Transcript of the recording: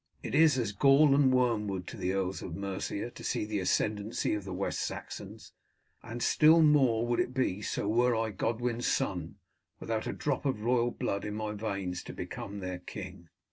"It is as gall and wormwood to the earls of Mercia to see the ascendancy of the West Saxons, and still more would it be so were I, Godwin's son, without a drop of royal blood in my veins, to come to be their king."